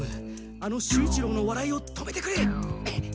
あの守一郎のわらいを止めてくれ！